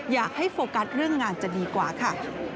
อยากให้โฟกัสเรื่องงานจะดีกว่าค่ะ